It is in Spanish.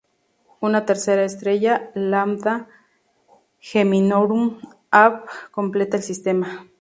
Una tercera estrella, Lambda Geminorum Ab, completa el sistema.